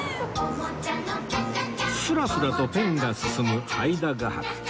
スラスラとペンが進むはいだ画伯